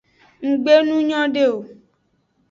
Nggbe nu nyode o.